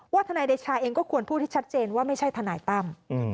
ทนายเดชาเองก็ควรพูดที่ชัดเจนว่าไม่ใช่ทนายตั้ม